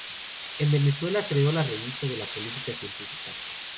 En Venezuela creó la revista de la policía científica.